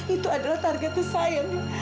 itu adalah targetnya saya nek